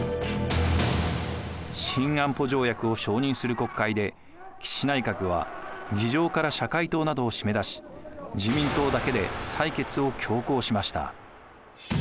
新安保条約を承認する国会で岸内閣は議場から社会党などを閉め出し自民党だけで採決を強行しました。